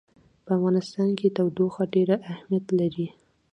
په افغانستان کې تودوخه ډېر اهمیت لري.